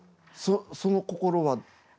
その心は？